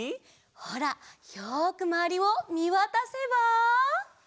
ほらよくまわりをみわたせば。